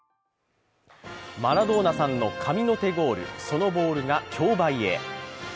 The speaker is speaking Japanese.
マラドーナさんの神の手ゴール、そのゴールが競売へ。